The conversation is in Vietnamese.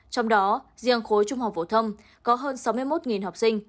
trong đó riêng khối trung học vô thâm có hơn sáu mươi một học sinh